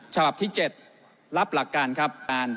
ฉบับที่๗รับหลักการครับ